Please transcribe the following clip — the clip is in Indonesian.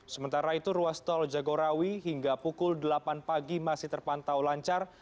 sementara itu ruas tol jagorawi hingga pukul delapan pagi masih terpantau lancar